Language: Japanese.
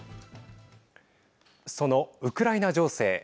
そのウクライナ情勢。